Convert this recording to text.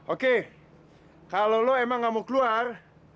oke kalau lo emang gak mau keluar